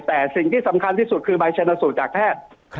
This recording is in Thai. แต่สิ่งที่สำคัญที่สุดคือใบชนสูตรจากแพทย์